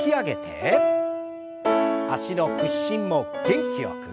脚の屈伸も元気よく。